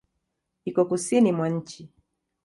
Iko Kusini mwa nchi.